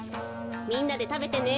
みんなでたべてね。